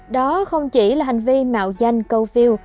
đó không chỉ là hành vi mạo danh câu phiêu